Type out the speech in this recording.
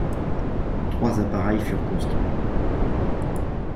Trois appareils furent construits.